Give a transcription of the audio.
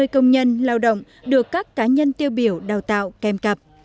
tám hai trăm hai mươi công nhân lao động được các cá nhân tiêu biểu đào tạo kèm cặp